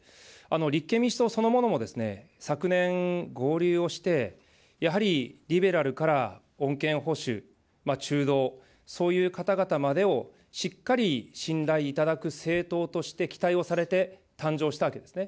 立憲民主党そのものも昨年、合流をして、やはり、リベラルから穏健保守、中道、そういう方々までをしっかり信頼いただく政党として期待をされて、誕生したんですね。